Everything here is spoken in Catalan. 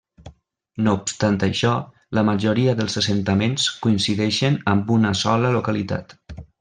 No obstant això, la majoria dels assentaments coincideixen amb una sola localitat.